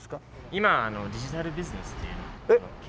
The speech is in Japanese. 今デジタルビジネスっていうのを。